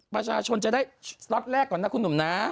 ประชาชนจะได้ล็อตแรกก่อนนะคุณหนุ่มนะ